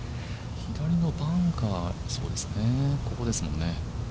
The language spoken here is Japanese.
左のバンカー、ここですもんね。